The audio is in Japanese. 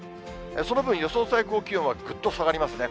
その分、予想最高気温はぐっと下がりますね。